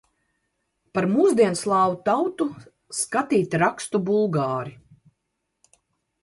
Par mūsdienu slāvu tautu skatīt rakstu bulgāri.